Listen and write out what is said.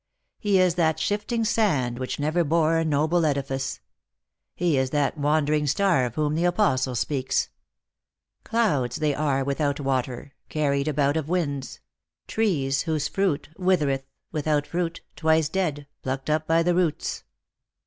He is that shifting sand which never bore a noble edifice. He is that wandering star of whom the apostle speaks :' Clouds they are without water, carried about of winds; trees whose fruit withereth, without fruit, twice dead, plucked up by the roots.'